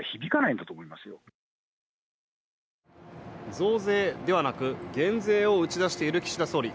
増税ではなく減税を打ち出している岸田総理。